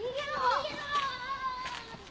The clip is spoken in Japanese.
逃げろー！